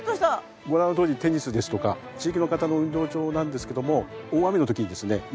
ご覧のとおりテニスですとか地域の方の運動場なんですけども。